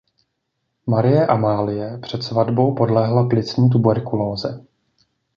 Marie Amálie před svatbou podlehla plicní tuberkulóze.